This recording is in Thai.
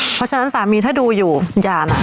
เพราะฉะนั้นสามีถ้าดูอยู่อย่านะ